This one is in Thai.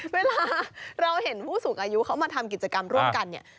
เวลาเราเห็นผู้สูงอายุเขามาทำกิจกรรมร่วมกันเนี่ย